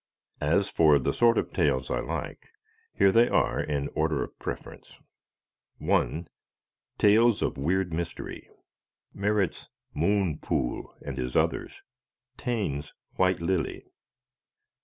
As for the sort of tales I like, here they are in order of preference: 1. Tales of weird mystery Merritt's "Moon Pool" and his others; Taine's "White Lily."